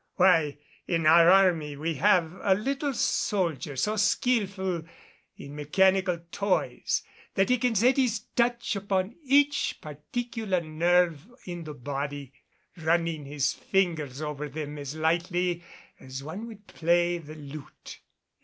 Why, in our army we have a little soldier so skilful in mechanical toys that he can set his touch upon each particular nerve in the body, running his fingers over them as lightly as one would play the lute."